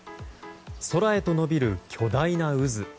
空へと伸びる巨大な渦。